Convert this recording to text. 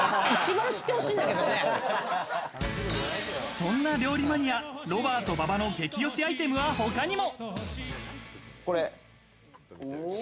そんな料理マニア、ロバート・馬場の激推しアイテムが他にも。